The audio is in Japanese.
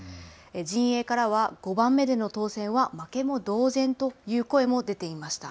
陣営からは５番目での当選は負けも同然という声も出ていました。